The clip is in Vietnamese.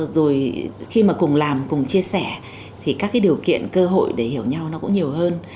rồi khi mà cùng làm cùng chia sẻ thì các cái điều kiện cơ hội để hiểu nhau nó cũng nhiều hơn